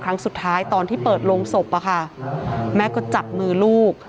ครั้งสุดท้ายตอนที่เปิดโรงศพอะค่ะแม่ก็จับมือลูก